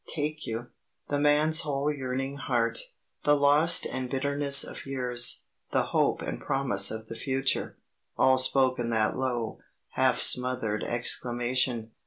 take you!" The man's whole yearning heart, the loss and bitterness of years, the hope and promise of the future, all spoke in that low, half smothered exclamation.